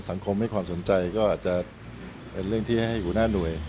สังคมให้ความสนใจก็อาจจะเป็นเรื่องที่ให้หัวหน้าหน่วย